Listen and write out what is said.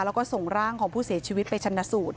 แล้วก็ส่งร่างของผู้เสียชีวิตไปชนะสูตร